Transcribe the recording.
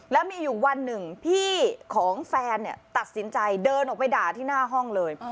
แล้วมีอยู่วันหนึ่งพี่ของแฟนตัดสินใจเดินออกไปด่าที่หน้าห้องเลย